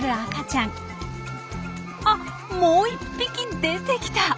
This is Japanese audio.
あっもう１匹出てきた！